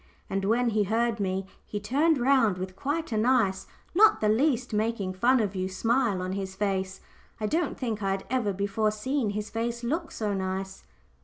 and when he heard me he turned round with quite a nice, not the least "making fun of you," smile on his face. I don't think I had ever before seen his face look so nice.